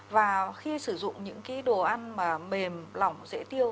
và khi sử dụng những đồ ăn mềm lỏng dễ tiêu